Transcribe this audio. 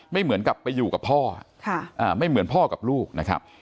เหมือนกับไปอยู่กับพ่อไม่เหมือนพ่อกับลูกนะครับ